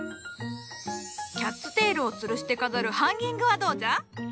キャッツテールをつるして飾るハンギングはどうじゃ？